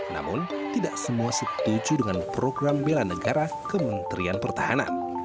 namun tidak semua setuju dengan program bela negara kementerian pertahanan